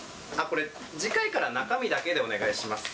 これ、次回から中身だけでお願いします。